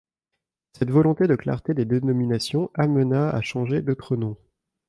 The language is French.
Cette volonté de clarté des dénominations amena à changer d’autres noms.